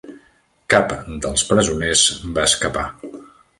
Cap dels presoners va escapar.